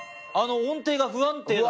音程が不安定だと。